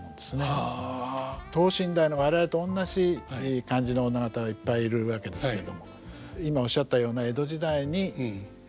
等身大の我々と同じ感じの女方がいっぱいいるわけですけれども今おっしゃったような江戸時代にふさわしいような女方っていうのはね。